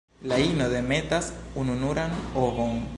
La ino demetas ununuran ovon.